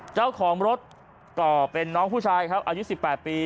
เจ้าของรถต่อเป็นน้องผู้ชายครับอายุ๑๘ปี